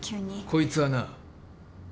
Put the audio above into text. こいつはな